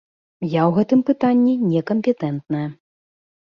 Я ў гэтым пытанні не кампетэнтная.